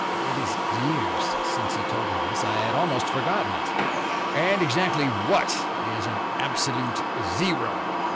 It is years since he told me this. I had almost forgotten it." "And exactly what is an absolute zero?"